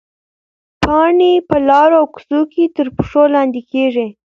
پاڼې په لارو او کوڅو کې تر پښو لاندې کېږي.